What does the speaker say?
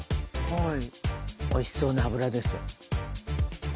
おいしそうなアブラですよ。